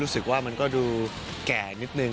รู้สึกว่ามันก็ดูแก่นิดหนึ่ง